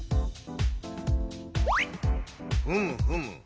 ふむふむ。